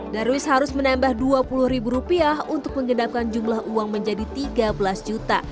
darwis harus menambah dua puluh ribu rupiah untuk mengendapkan jumlah uang menjadi tiga belas juta